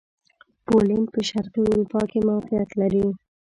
پولېنډ په شرقي اروپا کښې موقعیت لري.